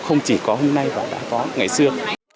không chỉ có hôm nay và đã có ngày xưa